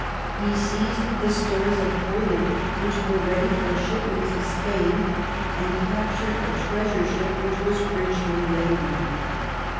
He seized the stores of bullion which were ready for shipment to Spain, and captured a treasure ship which was richly laden.